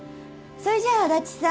それじゃあ足立さん